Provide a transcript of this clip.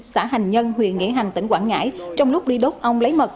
xã hành nhân huyện nghĩa hành tỉnh quảng ngãi trong lúc đi đốt ông lấy mật